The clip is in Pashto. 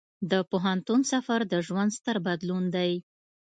د پوهنتون سفر د ژوند ستر بدلون دی.